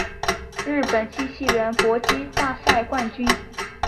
日本机器人搏击大赛冠军